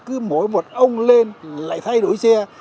cứ mỗi một ông lên lại thay đổi xe